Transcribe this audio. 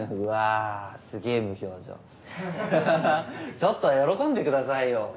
ちょっとは喜んでくださいよ。